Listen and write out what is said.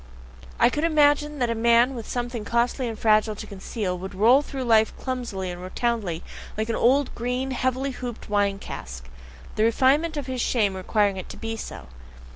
I could imagine that a man with something costly and fragile to conceal, would roll through life clumsily and rotundly like an old, green, heavily hooped wine cask: the refinement of his shame requiring it to be so.